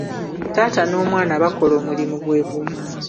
Taata n'omwana bakola omulimu gwe gumu.